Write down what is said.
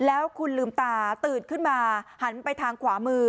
แล้วคุณลืมตาตื่นขึ้นมาหันไปทางขวามือ